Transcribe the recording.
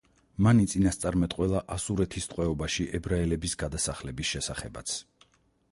მან იწინასწარმეტყველა ასურეთის ტყვეობაში ებრაელების გადასახლების შესახებაც.